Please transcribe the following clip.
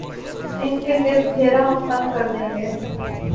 ان کے گرد گھیرا ہم تنگ کر دیں گے۔